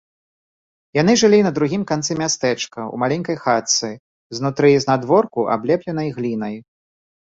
Яны жылі на другім канцы мястэчка ў маленькай хатцы, знутры і знадворку аблепленай глінай.